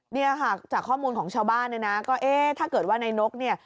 เนี่ยค่ะจากข้อมูลของชาวบ้านเนี่ยนะก็เอ๊ะถ้าเกิดว่าในนกเนี่ย